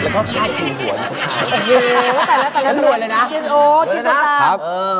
กินหวนเลยนะ